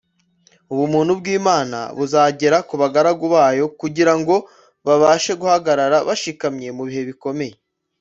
ubuntu bw’imana buzagera ku bagaragu bayo kugira ngo babashe guhagarara bashikamye mu bihe bikomeye